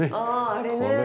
ああれね。